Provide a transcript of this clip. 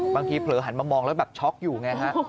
บางทีเผลอหันมามองแล้วแบบช็อกอยู่ไงครับ